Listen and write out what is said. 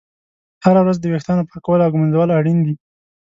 هره ورځ د ویښتانو پاکول او ږمنځول اړین دي.